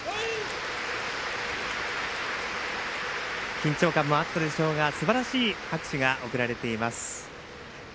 緊張感もあったでしょうが拍手が送られています。